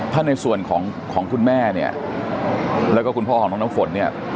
ถ้าในส่วนของคุณแม่และคุณพ่อน้องฝน